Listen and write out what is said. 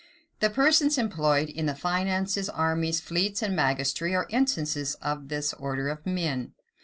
The persons employed in the finances, armies, fleets, and magistracy, are instances of this order of men.